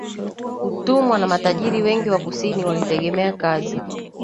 utumwa na matajiri wengi wa kusini walitegemea kazi